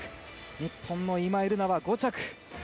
日本の今井月は５着。